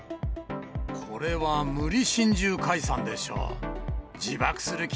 これは無理心中解散でしょう。